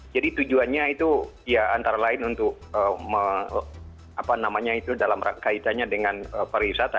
jadi tujuannya itu ya antara lain untuk apa namanya itu dalam kaitannya dengan pariwisata